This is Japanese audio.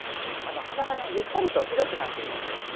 幅がゆったりと広くなっているんですね。